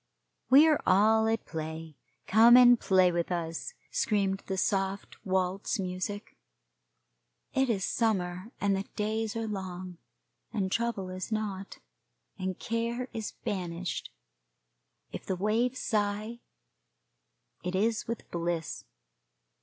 We are all at play, come and play with us, screamed the soft waltz music. It is summer, and the days are long, and trouble is not, and care is banished. If the waves sigh, it is with bliss.